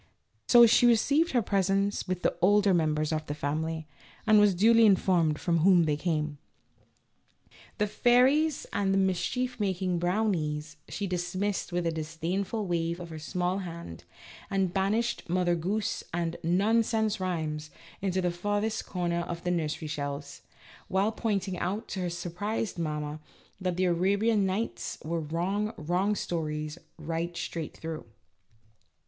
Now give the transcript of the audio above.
So she received her presents with the older members of the family, and was duly informed from whom they came. The "fairies" and the mischief making "brownies" she dismissed with a disdainful wave of her small hand, and banished " Mother Goose " and " Non sense Rhymes " into the farthest corner of the nursery shelves, while pointing out to her surprised mamma that the " Arabian Nights " were " wrong, wrong stories " right straight through.